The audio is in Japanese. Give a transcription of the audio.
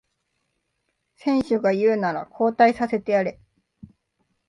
選手が言うなら交代させてやれ